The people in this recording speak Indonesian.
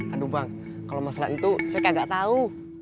aduh bang kalau masalah itu saya kagak tahu